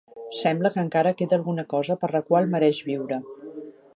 Sembla que encara queda alguna cosa per la qual mereix viure.